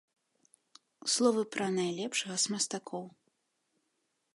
Словы пра найлепшага з мастакоў.